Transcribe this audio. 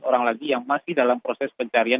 orang lagi yang masih dalam proses pencarian